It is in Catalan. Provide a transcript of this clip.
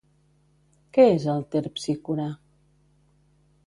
Què és el Terpsícore?